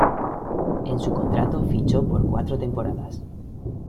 En su contrato fichó por cuatro temporadas.